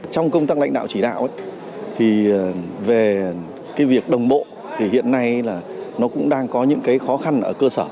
trong công tác lãnh đạo chỉ đạo thì về cái việc đồng bộ thì hiện nay là nó cũng đang có những cái khó khăn ở cơ sở